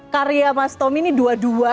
karya mas tommy ini dua dua